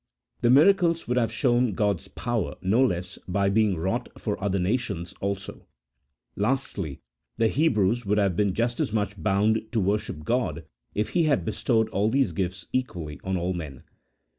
The miracles would have shown 4.4 A THE0L0GIC0 P0LITICAL TREATISE. [CHAP. III. God's power no less by being wrought for other nations also ; lastly, the Hebrews would have been just as much bound to worship God if He had bestowed all these gifts equally on all men.